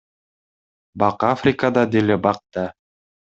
Бак Африкада деле бак да.